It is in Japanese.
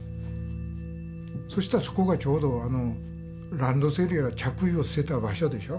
そしたらそこがちょうどランドセルや着衣を捨てた場所でしょ。